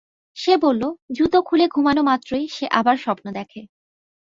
সে বলল, জুতো খুলে ঘুমানোমাত্রই সে আবার স্বপ্ন দেখে।